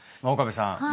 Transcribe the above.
岡部さん